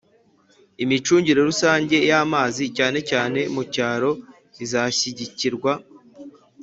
imicungire rusange y'amazi cyane cyane mu cyaro izashyigikirwa.